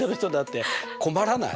困らない？